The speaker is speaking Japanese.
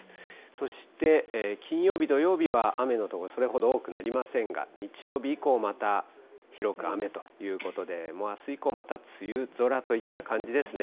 そして、金曜日、土曜日は雨の所、それほど多くなりませんが、日曜日以降、また広く雨ということで、もうあす以降、また梅雨空といった感じですね。